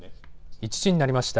１時になりました。